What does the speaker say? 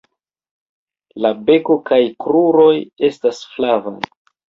La beko kaj kruroj estas flavaj.